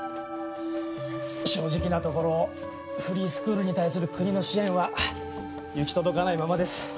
正直なところフリースクールに対する国の支援は行き届かないままです。